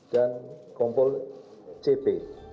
dan kompol cp